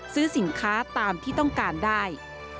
ซื้อสินค้าตามที่ต้องการได้